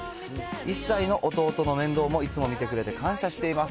１歳の弟の面倒もいつも見てくれて感謝しています。